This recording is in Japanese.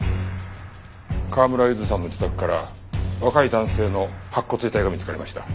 川村ゆずさんの自宅から若い男性の白骨遺体が見つかりました。